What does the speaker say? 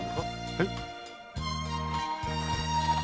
えっ？